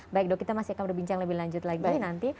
baik dok kita masih akan berbincang lebih lanjut lagi nanti